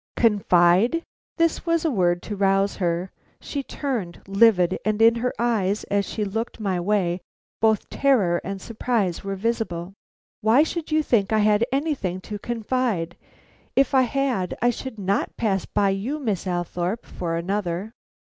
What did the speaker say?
"Confide!" This was a word to rouse her. She turned livid, and in her eyes as she looked my way both terror and surprise were visible. "Why should you think I had anything to confide? If I had, I should not pass by you, Miss Althorpe, for another."